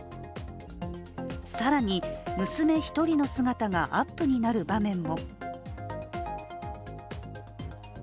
更に、娘１人の姿がアップになる場面も。